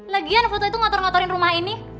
lagian foto itu ngotor ngotorin rumah ini